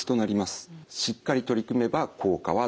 しっかり取り組めば効果は出ます。